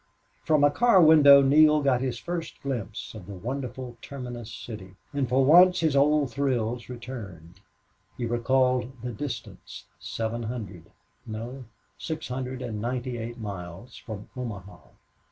From a car window Neale got his first glimpse of the wonderful terminus city, and for once his old thrills returned. He recalled the distance seven hundred no, six hundred and ninety eight miles from Omaha.